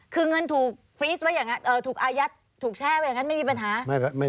คือเงินถูกอายัดถูกแช่ไว้อย่างนั้นไม่มีปัญหา